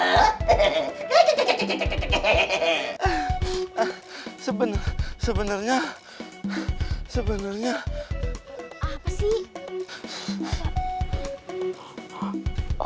ah ah sebenernya sebenernya apa sih